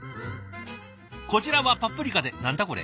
こちらはパプリカで何だこれ？